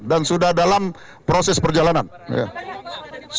dan sudah dalam proses perjalanan ya